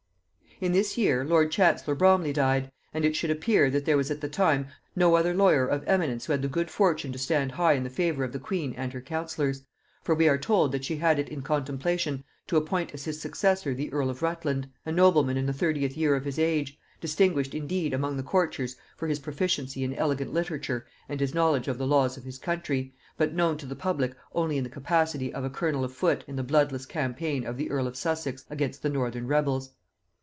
In this year lord chancellor Bromley died: and it should appear that there was at the time no other lawyer of eminence who had the good fortune to stand high in the favor of the queen and her counsellors, for we are told that she had it in contemplation to appoint as his successor the earl of Rutland; a nobleman in the thirtieth year of his age, distinguished indeed among the courtiers for his proficiency in elegant literature and his knowledge of the laws of his country, but known to the public only in the capacity of a colonel of foot in the bloodless campaign of the earl of Sussex against the Northern rebels.